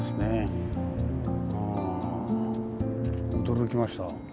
驚きました。